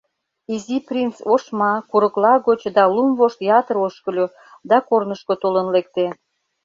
Изи принц ошма, курыкла гоч да лум вошт ятыр ошкыльо да корнышко толын лекте.